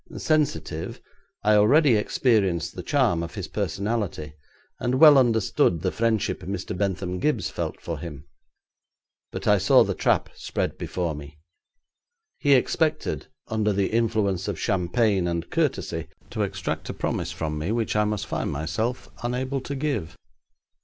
Sensitive, I already experienced the charm of his personality, and well understood the friendship Mr. Bentham Gibbes felt for him. But I saw the trap spread before me. He expected, under the influence of champagne and courtesy, to extract a promise from me which I must find myself unable to give.